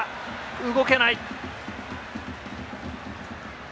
動けない。